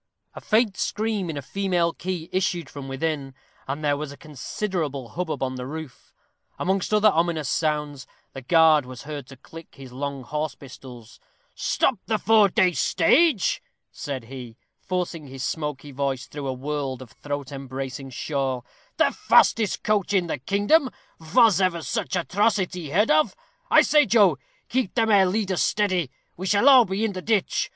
A faint scream in a female key issued from within, and there was a considerable hubbub on the roof. Amongst other ominous sounds, the guard was heard to click his long horse pistols. "Stop the York four day stage!" said he, forcing his smoky voice through a world of throat embracing shawl; "the fastest coach in the kingdom: vos ever such atrocity heard of? I say, Joe, keep them ere leaders steady; we shall all be in the ditch.